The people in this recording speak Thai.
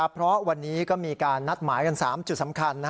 เพราะวันนี้ก็มีการนัดหมายกัน๓จุดสำคัญ